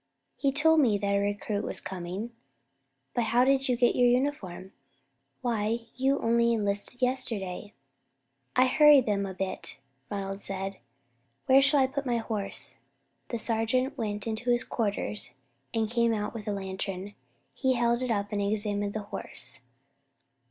"He told me that a recruit was coming, but how did you get your uniform? Why, you only enlisted yesterday." "I hurried them up a bit," Ronald said. "Where shall I put my horse?" The sergeant went into his quarters and came out with a lantern. He held it up and examined the horse.